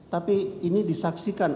tapi ini disaksikan